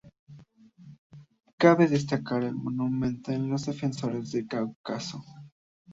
Cabe destacar el monumento a los defensores del Cáucaso.